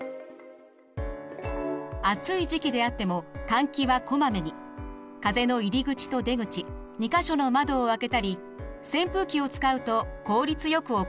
暑い時期であっても風の入り口と出口２か所の窓を開けたり扇風機を使うと効率よく行えます。